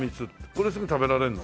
これすぐ食べられるの？